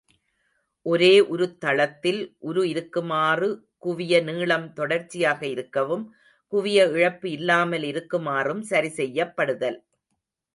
ஒரே உருத்தளத்தில் உரு இருக்குமாறு குவிய நீளம் தொடர்ச்சியாக இருக்கவும் குவிய இழப்பு இல்லாமல் இருக்குமாறும் சரி செய்யப்படுதல்.